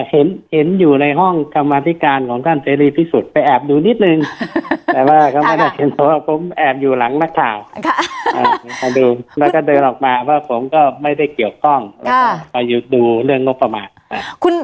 เห็นอยู่ในห้องกรรมธิการของท่านเสรีพิสุทธิ์ไปแอบดูนิดนึงแต่ว่าก็ไม่ได้เห็นเพราะว่าผมแอบอยู่หลังนักข่าวมาดูแล้วก็เดินออกมาว่าผมก็ไม่ได้เกี่ยวข้องแล้วก็ไปดูเรื่องงบประมาณ